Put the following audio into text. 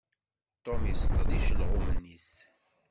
Tom iseṭṭel icelɣumen-is.